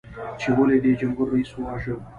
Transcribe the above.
چې ولې دې جمهور رئیس وواژه؟